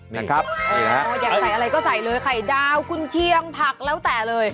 นี่ครับอยากใส่อะไรก็ใส่เลยไข่ดาวกุญเชียงผักแล้วแต่เลย